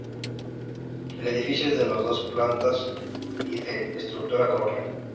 El edificio es de dos plantas y de estructura colonial.